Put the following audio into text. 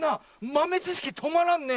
まめちしきとまらんね。